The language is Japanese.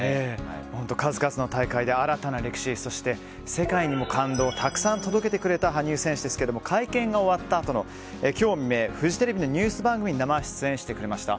本当、数々の大会で新たな歴史そして世界にも感動をたくさん届けてくれた羽生選手ですが会見が終わったあとの今日未明フジテレビのニュース番組に生出演してくれました。